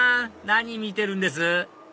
何見てるんです？